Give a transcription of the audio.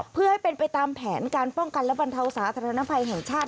เพื่อให้เป็นไปตามแผนการป้องกันและบรรเทาสาธารณภัยแห่งชาติ